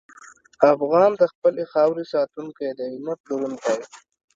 افغان د خپلې خاورې ساتونکی دی، نه پلورونکی.